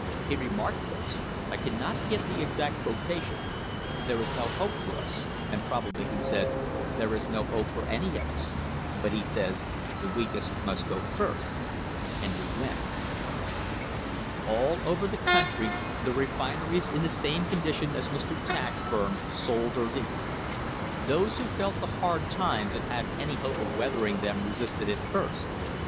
He remarked this — I cannot give the exact quotation — 'There is no hope for us/ and probably he said, 'There is no hope for any of us'; but he says, 'The weakest must go first.' And we went.'* All over the country the refineries in the same condition as Mr. Tack's firm sold or leased. Those who felt the hard times and had any hope of weathering them resisted at first.